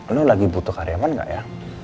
lu lagi butuh karir aman ya